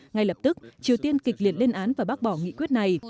ngay lập tức triều tiên kịch liệt lên án và bác bỏ nghị quyết này